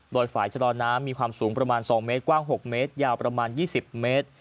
โดยฝ่ายชะลอน้ำมีความสูงประมาณ๒เมตรกว้าง๖เมตรยาวประมาณ๒๐เมตร